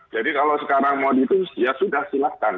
jadi kalau sekarang mau ditunjuk ya sudah silakan